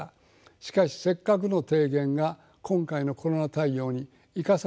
しかしせっかくの提言が今回のコロナ対応に生かされてきませんでした。